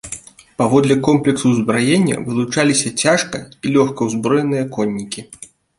Паводле комплексу ўзбраення вылучаліся цяжка- і лёгкаўзброеныя коннікі.